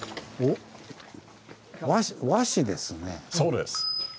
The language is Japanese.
そうです。